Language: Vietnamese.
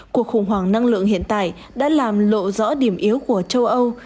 cuộc khủng hoảng năng lượng hiện tại đã làm lộ rõ điểm yếu của châu âu